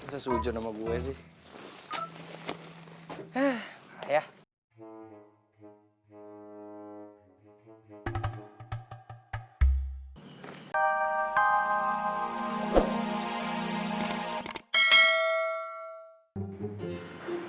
sesuja nama gue sih eh ayah